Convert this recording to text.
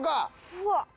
うわっ！